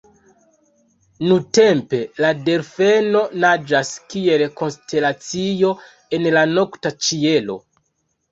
Nuntempe la Delfeno naĝas kiel konstelacio en la nokta ĉielo.